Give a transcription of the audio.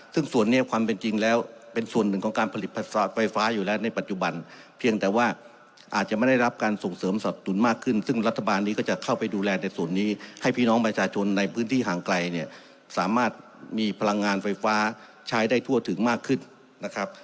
ซึ่งส่วนนี้ความเป็นจริงแล้วเป็นส่วนหนึ่งของการผลิตไฟฟ้าอยู่แล้วในปัจจุบันเพียงแต่ว่าอาจจะไม่ได้รับการส่งเสริมสับสนุนมากขึ้นซึ่งรัฐบาลนี้ก็จะเข้าไปดูแลในส่วนนี้ให้พี่น้องประชาชนในพื้นที่ห่างไกลเนี่ยสามารถมีพลังงานไฟฟ้าใช้ได้ทั่วถึงมากขึ้นนะครับ